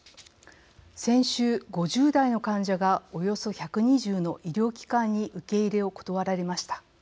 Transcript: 先週、５０代の患者がおよそ１２０の医療機関に受け入れを断られました。